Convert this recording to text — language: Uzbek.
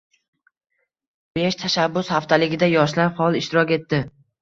“Besh tashabbus haftaligi”da yoshlar faol ishtirok etdi